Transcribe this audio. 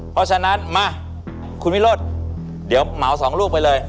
เพราะฉะนั้นมาคุณวิโรธเดี๋ยวเหมาสองลูกไปเลย